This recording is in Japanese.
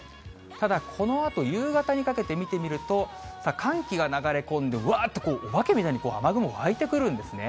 ただ、このあと夕方にかけて見てみると、寒気が流れ込んで、わーっとお化けみたいに雨雲わいてくるんですね。